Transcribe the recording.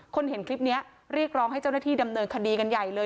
เห็นคลิปนี้เรียกร้องให้เจ้าหน้าที่ดำเนินคดีกันใหญ่เลย